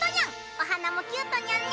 お花もキュートニャンね。